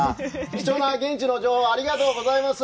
貴重な現地の情報ありがとうございます。